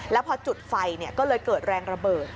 แล้วพอจุดไฟก็เลยเกิดแรงระเบิด